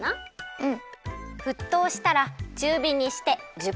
うん。